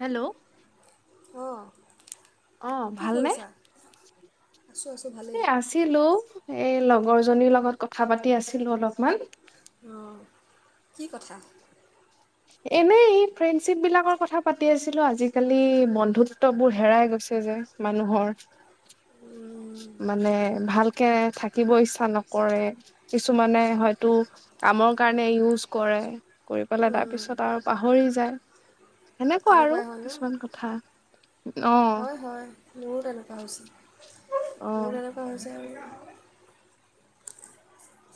Hello. অঁ অ কি ভালনে কৰিছা আছোঁ আছোঁ ভালেই এ আছিলো এ লগ। বৰজনীৰ লগত কথা পাতি আছিলোঁ অলপমান। অহ, কি কথা? এনেই ফ্ৰেণ্ডশ্বিপ বিলাকৰ কথা পাতি আছিলোঁ, আজিকালি বন্ধুত্ববোৰ হেৰাই গৈছে যে মানুহৰ। উম, মানে ভাল কে, থাকিব ইচ্ছা নকৰে। কিছুমানে হয়তো কামৰ কাৰণে ইউজ কৰে, কৰি পেলাই তাৰ উম, পিছত আৰু পাহৰি যায়। সেনেকুৱা আৰু তেনেকুৱাই হয় ন? কিছুমান কথা অ হয়, হয় মোৰো তেনেকুৱা হৈছে। অ মোৰ এনেকুৱা হৈছে আৰু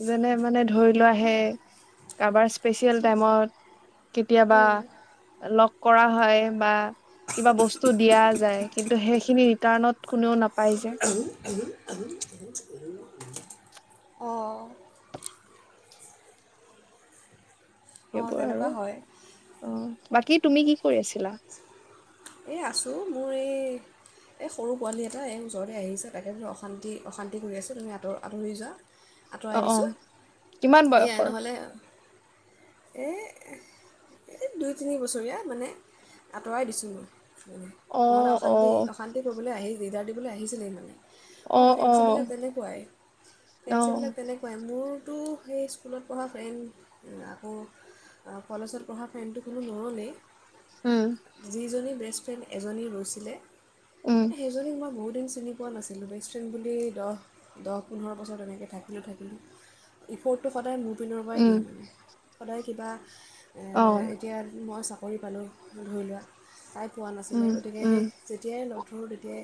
যেনে মানে ধৰি লোৱা সেই কাবাৰ স্পেচিয়েল টাইমত কেতিয়াবা উম, লগ কৰা হয় বা কিবা বস্তু দিয়া যায়, কিন্তু সেইখিনি ৰিটাৰ্ণত কোনেও নাপাই যে। অঁ অঁ সেইবোৰ আৰু তেনেকুৱা হয় অ'। বাকী তুমি কি কৰি আছিলা? এই আছোঁ মোৰ এই এ সৰু পোৱালী এটা এই ওচৰতে আহিছে, তাকে বোলো অশান্তি, অশান্তি কৰি আছে, তুমি আঁতৰ-আঁতৰি যোৱা। অ আঁতৰাই অ দিছোঁ, কিমান সেয়াই বয়সৰ নহ'লে এই এ দুই, তিনি বছৰীয়া মানে আঁতৰাই দিছোঁ। অ নহ'লে অ অশান্তি-অশান্তি কৰিবলৈ আহি দিগদাৰ দিবলৈ আহিছিলেই মানে। অ', ফ্ৰেণ্ডশ্বিপবিলাক তেনেকুৱাই, অ ফ্ৰেণ্ডশ্বিপবিলাক তেনেকুৱাই, মোৰ টো সেই স্কুলত পঢ়া ফ্ৰেণ্ড আকৌ আ কলেজত পঢ়া ফ্ৰেণ্ডটো কোনো নৰলেই। উম যিজনী বেষ্টফ্ৰেণ্ড এজনী ৰৈছিলে। উম এ সেইজনীক মই বহুত দিন চিনি পোৱা নাছিলোঁ বেষ্ট ফ্ৰেণ্ড বুলি দহ-দহ পোন্ধৰ বছৰ তেনেকৈ থাকিলোঁ থাকিলোঁ ইফৰ্ডটো সদায় মোৰ। পিনৰ পৰাই উম দিওঁ মানে। সদায় কিবা। এ অ এতিয়া মই চাম। কৰি পালোঁ ধৰি লোৱা। পোৱা নাছিলে উম গতিকে উম সে যেতিয়াই ল'ম। তেতিয়াই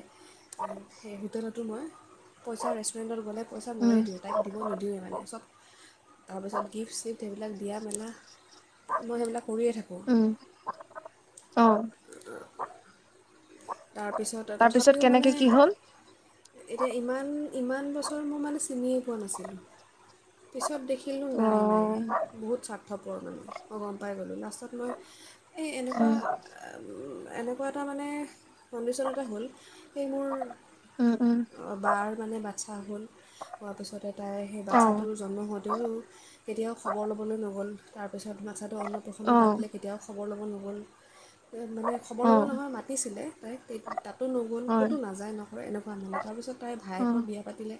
সেই হোটেলতো মই পইচা ৰেষ্ট। ষ্টুৰেণ্টত গ'লে পইচা উম ময়ে দিওঁ, তাইক দিব নিদিওয়ে মানে চব তাৰপিছত গিফ্ট- চিফ্ট হেইবিলাক দিয়া মেলা, মই হেইবিলাক উম- অ। [inaudible] তাৰপিছত তাৰপিছত তথাপিও মানে কেনেকে কি হ'ল এতিয়া ইমান ইমান বছৰ মোৰ মানে চিনিয়ে পোৱা নাছিলোঁ, পিছত দেখিলোঁ অ নাই-নাই বহুত স্বাৰ্থপৰ মানে মই গম পাই গ'লোঁ, লাষ্টত মই এই এনেকুৱা উম এনেকুৱা এটা মানে কন্দিশ্যন এটা হ'ল, সেই মোৰ উম উম বাৰ মানে বাচ্ছা হ'ল, হোৱাৰ পিছতে তাই হেই অ বাচ্ছাটোৰ জন্ম হওঁতেও কেতিয়াও খবৰ ল'বলৈ নগ'ল। পিছত বাটচ্ছাটো অ অন্ন-প্ৰসন্নাতিলে কেতিয়াও খ বৰ ল'ব নগ'ল। মানে খবৰ অ ল'ব নহয়, মাতিছিলে তাই তাতো নগ'ল, হয় ক'তো নাযায় নকৰে এনেকুৱা মানে, তাৰপিছত তাইৰ অ ভায়েকৰ বিয়া পাতিলে,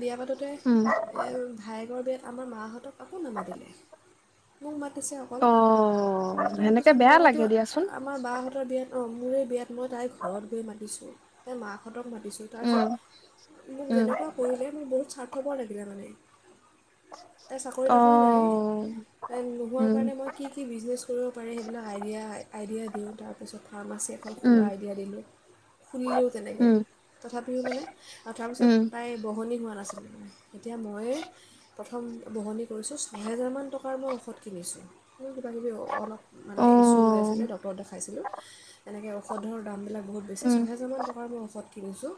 বিয়া পাতোতে উম এ ভায়ে য়েকৰ বিয়াত আমাৰ মাহ'তক কাকো নামাতিলে, মোক মা তিছে অকল, অ সেনেকে তাৰপিছত বেয়া লাগে মইতো দিয়াচোন আমাৰ বাহঁতৰ বিয়াত, অ' মোৰে বিয়াত মই তাইৰ ঘৰত গৈ মাতিছোঁ ল, তাই মাক ক হতক মাতিছোঁ, উম তাৰপিছত মোক উম যেনেকুৱা কৰিলে মোৰ বহুত স্বাৰ্থপৰ লাগিলে মানে তাই চাকৰি তাকৰি নাই তাই, নোহোৱাৰ কাৰণে মই কি-কি বিজনেছ কৰিব পাৰি সেইবিলাক আইডিয়া- আইডিয়া দিওঁ, তাৰপিছত ফাৰ্মাচী এখন খোল খোলা আইডিয়া দিলোঁ, খুলিলেওঁ তেনেকৈ, তথাপিও মানে আৰু তাৰপিছত পতাইৰ বহনি হোৱা নাছিল, তেটিয়া ময়ে প্ৰথম বহনি কৰিছোঁ, ছহেজাৰমান টকাৰ মই ঔষধ কিনিছোঁ ৰো কিবাকিবি অলপ মানে ইছ্যু হৈ আছিলে দক্তৰক দেখাইছিলোঁ তেনেকে ঔষধৰ দামবিলাক বহুত বেচি, ছহেজাৰমান টকাৰ মোৰ অসধ কিনছোঁ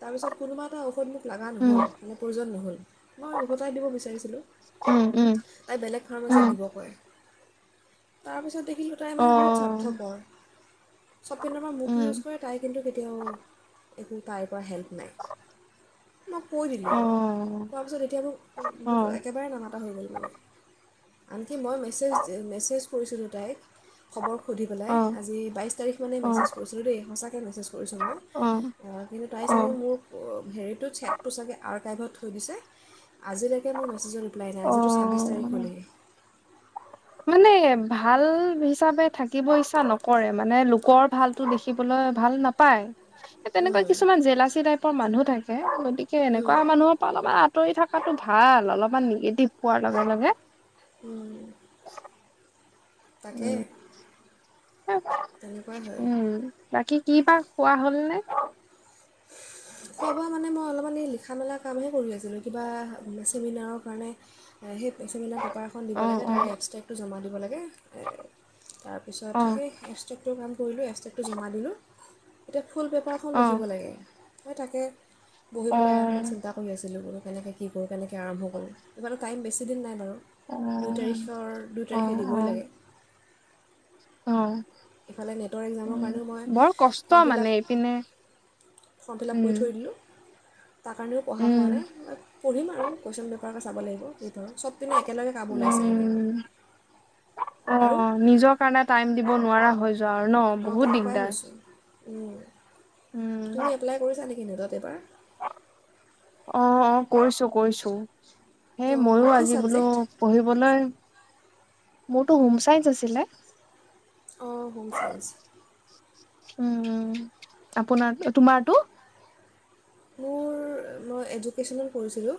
তাৰপিছত কোনোবা এটা ঔষধ মোক লগা নহ'ল, মানে প্ৰয়োজন নহ'ল, মই ওভটাই দিব বিচাৰিছিলোঁ, তাই বেলেগ ফাৰ্মাচীত দিব কয় তাৰপিছত দে খিলো তাই মানে বহুত স্বাৰ্থপৰ। পিনৰ পৰা মোক ইউজ কৰে তাই কিন্তু কেতিয়াও এটি পাইৰ পৰা হেল্প। নাই মই কৈ দিলোঁ তাৰ পিছত এতিয়া [unintelligible] একেবাৰে নামাতা হৈ গ'লগে। কি মই মেছেজ মেছেজ। কৰিছিলোঁ তাইক। খবৰ সুধি পেলাই আজি বাইছ তাৰিখ। মেছেজ কৰিছিলোঁ দেই, সঁচাকেই মেছেজ কৰিছোঁ মই, অ কিন্তু তাই যে মোৰ অ হেৰিটোত চেকটো চাগে [inaudible] আ, কাইভত থৈ দিছে। আজিলৈকে মোৰ মেছেজৰ ৰিপ্লাই নাই আজো ছাব্বিছ তাৰিখ হ'লেই মানে ভাল হিচাপে থাকিব ইচ্ছা নকৰে, মানে লোকৰ ভালতো দেখিবলৈ ভাল নাপায়। তেনেকুৱা কিছুমান জেলাচি টাইপৰ মানুহ থাকে, গতিকে এনেকুৱা মানুহৰ পৰা অলপমান আঁতৰি থাক। [unintelligible] টো ভাল, অলপমান নিগেটিভ পোৱাৰ লগে লগে। উম। উম। তেনেকুৱাই হয় উম, বাকী কি বা খোৱা হ'ল নে? খোৱা বোৱা মানে মই অলপমান লিখোঁ [unintelligible] কামহে। [unintelligible] আৰু কিবা মি চেমিনাৰৰ কাৰণে, সেই পেচেলিনা পেপাৰ এখন দিব অ লাগে, অ তাৰে এপষ্টেকটো জম দিব লাগ [unintelligible] তাৰ অ পিছত সেই এষ্টেকটো কাম কৰিলোঁ এষ্টেকটো জমা দিলোঁ। গোটেই ফুল পেপাৰখন অ লিখিব লাগে। মই থাকে বহি অ পেলাই অকণমান চিন্তা কৰি আছিলোঁ, ৰব। কেনেকৈ কি কৰোঁ, কেনেকৈ আৰম্ভ কৰোঁ এইফালে টাইম বেছিদিন নাই বাৰু। অ দুই তাৰিখৰ দুই অ তাৰিখে অ দিবই লাগে। অ'। ইফালে নেটৰ একজামৰ উম কাৰণেও মই বৰ কষ্ট ফৰ্ম মানে ফিলাপ, এইপিনে ফৰ্ম ফিলাপ উম কৰি থৈ দিলোঁ। তাৰ কাৰণেও পঢ়া হোৱা উম নাই, পঢ়িম আৰু কুৱেশচন পে আপোনালোকে চাব লাগিব এই ধৰ চবপিনে একেলগে কাম ওলাইছে মানে আৰু। উম আৰু অ', নিজৰ কাৰণে টাইম দিব নোৱাৰা হৈ যোৱাৰ ন, বহুত দিগদাৰ। উম। উম তুমি এপ্লাই কৰিছা নেকি নেটত? পেপাৰ অ', অ', কৰিছোঁ-কৰিছোঁ। সেই অঁ মইও কি আজি বোলো ছাবজেক্ট পঢ়িবলৈ মোৰটো হোম চাইন্স আছিলে অ', হোমচাইন্স। উম, উম, আপোনাৰ তোমাৰটো? মোৰ, মই এডুকেশ্যনেল পঢ়িছিলোঁ।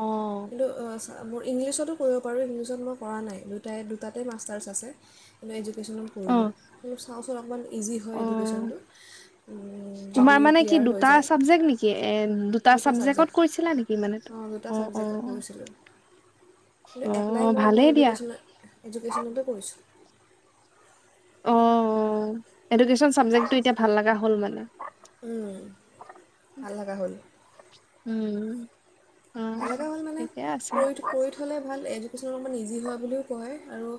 অ কিন্তু অ মোৰ ইংলিছতো কৰিব পাৰোঁ, ইংলিছত মই কৰা নাই। দুটাই-দুটাতে মাষ্টাৰ্ছ আছে। কিন্তু এজো এডকেশ্যনত অ কৰিলোঁ কিন্ত চাওঁচোন অকণমান ইজি হয়, অ এডুকেশ্যনটো যদি তোমাৰ মানে কি ক্লিয়াৰ হৈ দুটা যায়, চাবজেক্ট নেকি এ দুটা চাবজেক্টত ছাবজেক্ট, কৰিছিলা নেকি মানে অ', দুটা ছাবজেক্টত কৰিছিলোঁ কিন্তু অ এপ্লাই অ মই অকল ভালেই দিয়া এডুকেশ্যন, এডুকেশ্যনতে কৰিছোঁ। অ, অ, এডুকেচন চাবজেক্টটো এতিয়া ভাল লাগা হ'ল মানে? উম, ভাল লাগা হ'ল। উম। অ ভাল লগা হ'ল মানে ঠিকে আছে কৰি কৰি থ'লে ভাল [unintelligible] মোৰ মান ইজি হয়, বুলিও কয় আৰু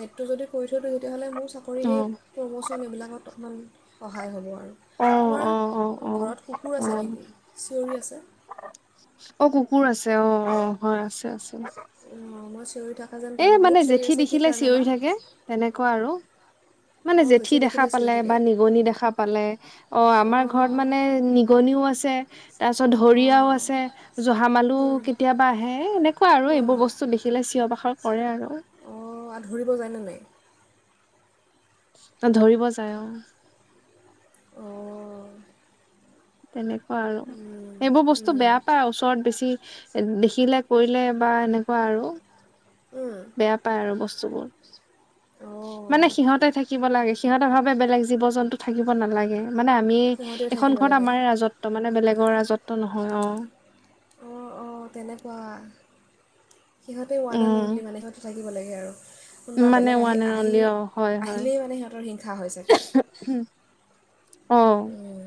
নেটটো যদি কৰি থৈ দিও তেতিয়াহ'লে মোৰ চাকৰি অ সেই প্ৰম'চন এইবিলাকত অকণমান সহায় হ'ব আৰু অ অ তোমাৰ অ অ ঘৰত কুকুৰ অ আছে নেকি? চিঞৰি আছে। অ কুকুৰ আছে অ অ হয় আছে আছে। অ মই চিঞৰি থাকো এ মানে জেঠী দেখিলে চিঞৰি থাকে তেনেকুৱা আৰু মানে অঁ জেঠী দেখা দেখিলে চিঞৰি পালে থাকে বা নিগনি দেখা পালে অ' অঁ আমাৰ ঘৰত মানে নিগনিও আছে তে। তাৰ পিছত ধৰিয়াও আছে জহামালো কেতিয়াবা আহে এনেকুৱা আৰু এইবোৰ বস্তু দেখিলে চিঞৰ বাখৰ। কৰে আৰু অ' আ ধৰিব যায়নে নাই। ন ধৰিব যায় অ। অ'। তেনেকে। ক আৰু সেইবোৰ বস্তু উম, বেয়া পায় ওচৰত বেছি দেখিলে। শিকিলে কৰিলে বা এনেকুৱা আৰু। উম, বেয়া পাই আৰু বস্তু বোৰ। অঁ মানে সিহঁতে থাকিব লাগে সিহঁতে ভাবে বেলেগ জীৱ জন্তু থাকিব নালাগে। মানে আমি সিহঁতেও এখন থাকিব ঘৰত লাগে আমাৰ ৰাজত্ব। মানে বেলেগৰ ৰাজত্ত্ব নহয় অ। অ' অ' তেনেকুৱা। সিহাতে ৱন অন উম অনলী মানে। থাকিব লাগে আৰু। কোনোবা মানে বেলেগ আহি ওৱান এণ্ড আহি অনলি অ হয় হয় আহিলেই মানে সিহঁতৰ হিংসা হৈ চাগে অহ। উম,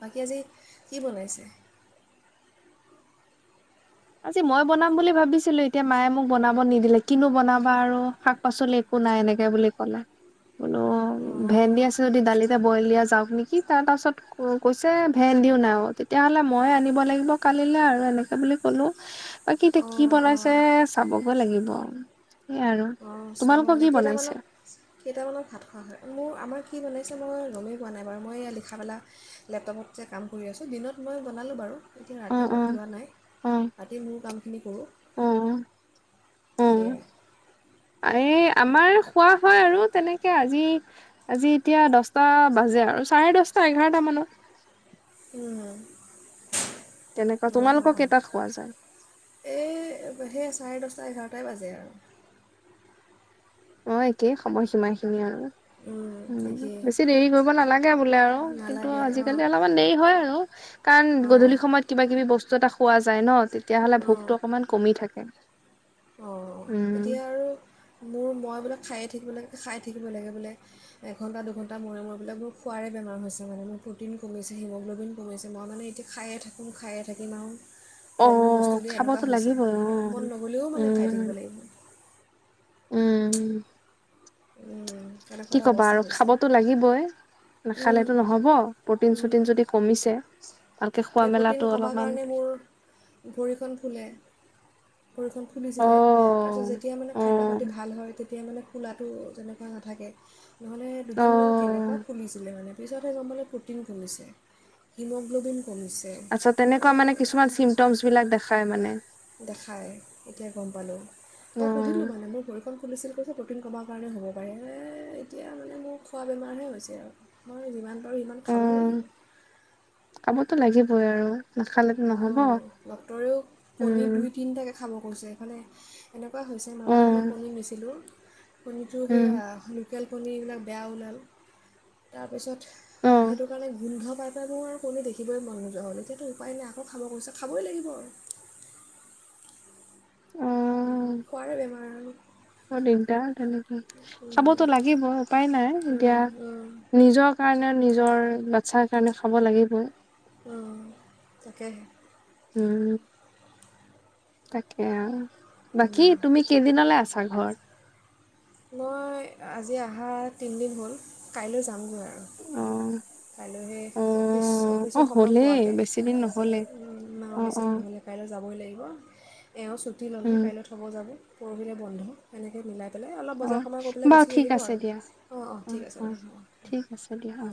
বাকী আজি কি বনাইছে। আজি মই বনাম বুলি ভাবিছিলো এতিয়া মায়ে মোক বনাব নিদিলে কিনো বনাবা আৰু শাক পাচলি একো নাই এনেকে বুলি কলে বোলো অঁ ভেন্দি আছে যদি দালিতে বইল দিয়া যাওক নেকি তাৰ পাছত কৈছে ভেন্দিও নাই তেতিয়াহ'লে মইয়ে আনিব লাগিব কালিলৈ আৰু এনেকে বুলি চলো বাকী এতিয়া কি অঁ বনাইছে অঁ চাবগৈ লাগিব সেয়াই আৰু অ' চোৱা হোৱা তোমালোকৰ কি বনাইছে নেকেইটামানত কেইটামানত ভাত খোৱা হয় মোৰ আমাৰ কি বনাইছে মই গমেই পোৱা নাই বাৰু মই এই লিখামেলা লেপটপত যে কাম কৰি আছোঁ দিনত মই বনালোঁ বাৰু। এতিয়া অ ৰাতি অ মই যোৱা নাই অ ৰাতি মোৰ কামখিনি কৰোঁ অ অ সেয়াই। এই আমাৰ খোৱা হয় আৰু তেনেকে আজি আজি এতিয়া দছটা বাজে আৰু চাৰে দহটা এঘাৰটা মানত উম। তেনেকুৱা অ' তোমালোকৰ অ' কেইটাত খোৱা যায় এই সে চাৰে দহচ চাৰে এঘাৰটাই বাজে আৰু। অ একেই সময়সীমা খিনি আৰু উম বেছি দেৰি কৰিব নালাগে বোলে আৰু কিন্তু নালাগে অঁ আজিকালি অলপমান দেৰি হয় আৰু কাৰণ অঁ গধূলি সময়ত কিবা কিবি বস্তু এটা খোৱা যায়। পায় ন তি তেতিয়াহ'লে ভোকতটো অকমান কমি থাকে অ' উম এতিয়া আৰু মোৰ মই মবিলাক খায়য়েই থাকিব লাগে খাই থাকিব লাগে বোলে, এঘণ্টা দুঘণ্টা মূৰে মূৰে এইবিলাক মোৰ খোৱাৰে বেমাৰ হৈছে মানে মোৰ প্ৰ'টিন কমিছে হিমগ্ল'বিন কমিছে মই মানে এতিয়া খায়ে থাকোঁ খায়ে থাকিম আৰু। অ কিবা কিবি বস্তু দি এনেকুৱা খাবতো হৈছে, লাগিবই অ মন নগলেও মা খাই উম থাকিব লাগিব। উম, উম, তেনেকুৱা কি এটা কবা অৱস্থা আৰু হৈছে খাবতো লাগিবই, উম, নাখালেটো নহ'ব, প্ৰ'টিন উম, চটিন যদি কমিছে, ভালকে খোৱা এতিয়া প্ৰ'টিন মেলাটো কমাৰ অলপমান কাৰণে মোৰ ভৰিখন ফুলে ভৰিখন ফুলিছিলে, তাৰপিছত অ', যেতিয়া মানে খাদ্য অ', পাতি ভাল হয় তেতিয়া মানে ফুলাত [unintelligible] তেনেকুৱা নাথাকে। নহ'লে দুদিনমান কেনেকুৱা অ', ফুলিছিলে মানে। পিছত হে গম পালোঁ প্ৰ'টিন কমিছে, হিমোগ্ল'বিন আচছা তেনেকুৱা মানে কিছুমান চিমটমছ বিলাক দেখা খায় মানে। দেখাই, এতিয়া গম পালোঁ, মই সুধিলোঁ অ', মানে মোৰ ভৰিখন ফুলিছিল কৈছে প্ৰ'টিন কমাৰ কাৰণে হ'ব পাৰে এতিয়া মানে মোৰ খোৱা বেমাৰহে হৈছে আৰু, মই যিমান পাৰোঁ সিমান খাব লাগিব। পাবতো লাগিবই আৰু। নাখালেতো নহ'ব অ', ডক্টৰেও কণীৰ উম, দুই তিনিটাকে খাব গৈছে এফালে, এনেকুৱা হৈছে মাজতে মানে অ', কণী নিছিলোঁ, শুনিছোঁ উম, সেয়া লি লোকেল কণী এইবিলাক বেয়া ওলাল, তাৰপিছত অ', সেইটো কাৰণে গোন্ধ পাই আৰু মোৰ দেখিবই মন নোযোৱা হ'ল, এতিয়াটো উপায় না খাব কৈছে, খাবই লাগিব আৰু। খোৱাৰে বেমাৰ আৰু অ', দিগদাৰ তেনেকে, উম, খাবতো লাগিব উপায় নাই এতিয়া উম, উম, নিজৰ কাৰণে নিজৰ ল [unintelligible] কাৰণে খাব লাগিবই। অ', তাকে। উম। তাকে আৰু। বাকী উম। তুমি কেইদিনলৈ আছা? ঘৰ। মই আজি আহা তিনিদিন হ'ল, কাইলৈ যামগৈ আৰু। অ', কাইলৈ অফিচ অ', অফিচৰ অ', সময় হ'লেই পোৱাকে, বেছি দিন নহ'লে মা অ', বেছি অ', নহ'লে কাইলৈ যাবগে লাগিব। ভুম এওঁ ছুটি ল'লে উম, কাইলৈ থব যাব। পৰহিলৈ বন্ধ, এনেকৈ মিলাই পেলাই অলপ অ বজাৰ সমাৰ কৰি পেলাই বাৰু গুচি ঠিক আহিব আছে আৰু দিয়া, অঁ অঁ অ ঠিক আছে অ বাৰু অঁ ঠিক আছে দিয়া অ